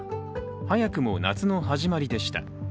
早くも初の始まりでした。